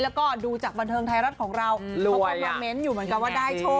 แล้วก็ดูจากบรรเทิงไทยรัฐของเรารวยอยู่เหมือนกันว่าได้โชค